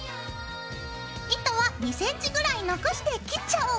糸は２ｃｍぐらい残して切っちゃおう！